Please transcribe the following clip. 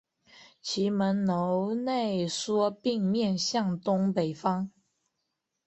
其门楼内缩并面向东北方。